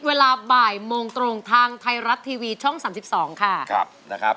เวลาบ่ายโมงตรงทางไทยรัฐทีวีช่อง๓๒ค่ะนะครับ